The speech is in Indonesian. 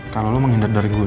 kalo lo menghindar dari gue